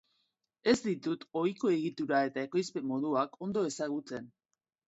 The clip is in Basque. Ez ditut ohiko egitura eta ekoizpen moduak ondo ezagutzen.